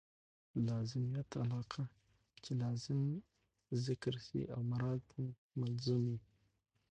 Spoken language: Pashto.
لازمیت علاقه؛ چي لازم ذکر سي او مراد ځني ملزوم يي.